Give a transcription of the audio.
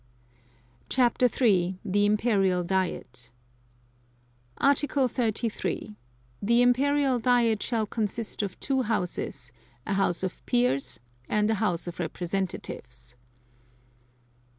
CHAPTER III. THE IMPERIAL DIET Article 33. The Imperial Diet shall consist of two Houses, a House of Peers and a House of Representatives.